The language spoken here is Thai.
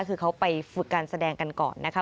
คือเขาไปฝึกการแสดงกันก่อนนะคะ